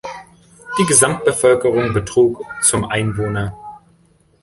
Die Gesamtbevölkerung betrug zum Einwohner.